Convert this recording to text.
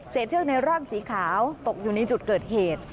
เชือกไนร่อนสีขาวตกอยู่ในจุดเกิดเหตุ